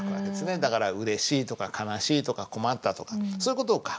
だから「うれしい」とか「悲しい」とか「困った」とかそういう事を書く。